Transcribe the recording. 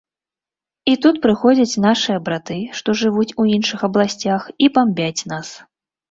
І тут прыходзяць нашыя браты, што жывуць у іншых абласцях і бамбяць нас.